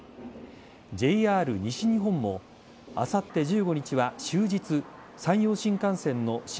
ＪＲ西日本もあさって１５日は終日山陽新幹線の新